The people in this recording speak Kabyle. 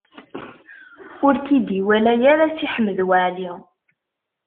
Ur k-id-iwala ara Si Ḥmed Waɛli.